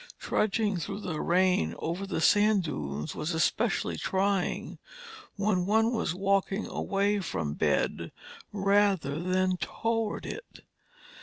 Trudging through the rain over sand dunes was especially trying when one was walking away from bed rather than toward it.